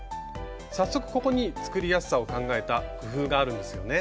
早速ここに作りやすさを考えた工夫があるんですよね？